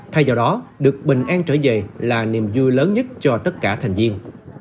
thay vào đó được bình an trở về là niềm vui lớn nhất cho tất cả thành viên